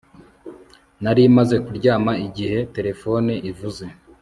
nari maze kuryama igihe terefone ivuze